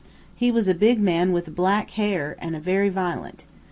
He was a big man with black hair an' very violent.